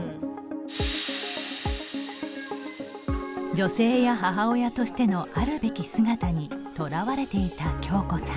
女性や母親としてのあるべき姿にとらわれていた恭子さん。